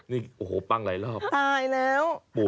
นี่โอ้โฮปังหลายรอบปุ๊บสักครั้งนี้ตายแล้ว